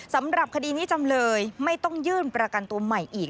สำหรับคดีนี้จำเลยไม่ต้องยื่นประกันตัวใหม่อีก